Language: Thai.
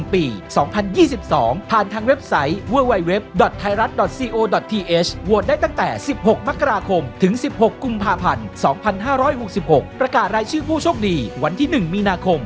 โปรดติดตามตอนต่อไป